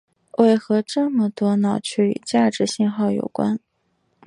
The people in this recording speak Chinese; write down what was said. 为何这么多脑区与价值信号有关。